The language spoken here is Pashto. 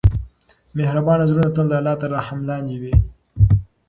مهربان زړونه تل د الله تر رحم لاندې وي.